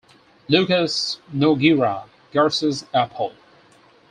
Lucas Nogueira Garcez Airport.